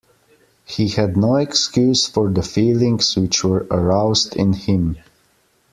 He had no excuse for the feelings which were aroused in him.